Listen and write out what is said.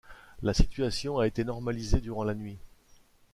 La situation a été normalisée durant la nuit.